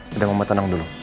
tidak mau matanang dulu